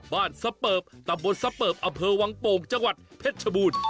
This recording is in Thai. สเปิบตำบลสเปิบอำเภอวังโป่งจังหวัดเพชรชบูรณ์